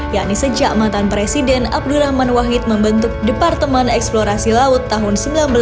yakni sejak mantan presiden abdurrahman wahid membentuk departemen eksplorasi laut tahun seribu sembilan ratus sembilan puluh